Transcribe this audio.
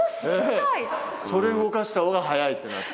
それ動かしたほうが早いってなって。